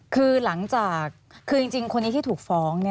คือหลังจากคือจริงคนนี้ที่ถูกฟ้อง